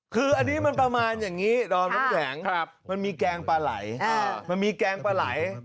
คืออันนี้มันประมาณอย่างนี้ดอมน้ำแข็งมันมีแกงปลาไหล่